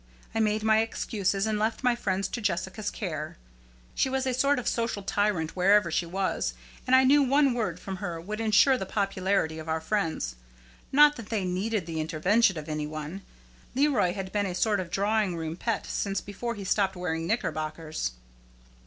I made my excuses and left my friends to Jessica's care. She was a sort of social tyrant wherever she was, and I knew one word from her would insure the popularity of our friends not that they needed the intervention of any one. Leroy had been a sort of drawing room pet since before he stopped wearing knickerbockers.